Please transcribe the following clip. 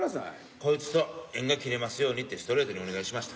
こいつと縁が切れますようにってストレートにお願いしました。